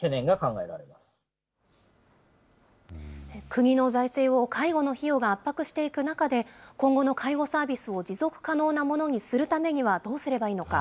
国の財政を介護の費用が圧迫していく中で、今後の介護サービスを持続可能なものにするためには、どうすればいいのか。